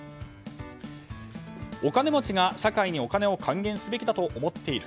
お金持ちが社会にお金を還元すべきだと思っている。